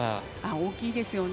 大きいですね。